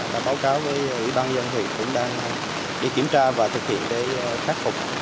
đã báo cáo với ủy ban dân huyện cũng đang đi kiểm tra và thực hiện khắc phục